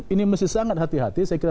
ini mesti sangat hati hati saya kira